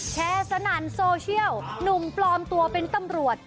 สนั่นโซเชียลหนุ่มปลอมตัวเป็นตำรวจ